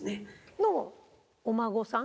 のお孫さん。